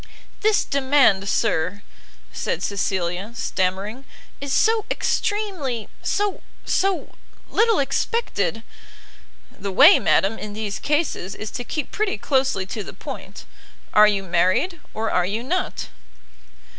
"This demand, sir," said Cecilia, stammering, "is so extremely so so little expected " "The way, madam, in these cases, is to keep pretty closely to the point; are you married or are you not?"